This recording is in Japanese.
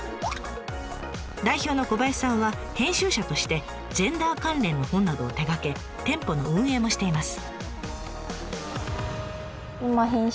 代表の小林さんは編集者としてジェンダー関連の本などを手がけ店舗の運営もしています。